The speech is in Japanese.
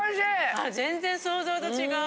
あ全然想像と違う。